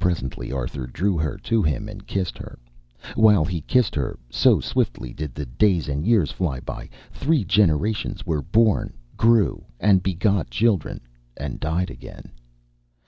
Presently Arthur drew her to him and kissed her. While he kissed her, so swiftly did the days and years flee by, three generations were born, grew and begot children, and died again!